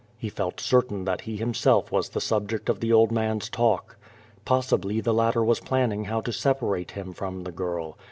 He felt certain that he himself was the subject of the old man's talk. Possibly the latter was planning how to separate him from the girl.